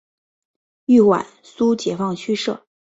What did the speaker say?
豫皖苏解放区设。